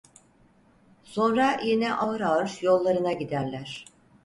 Sonra yine ağır ağır yollarına giderler.